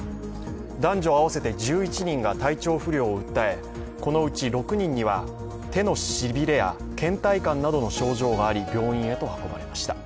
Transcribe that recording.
男女合わせて１１人が体調不良を訴え、このうち６人には手のしびれやけん怠感などの症状があり、病院に運ばれました。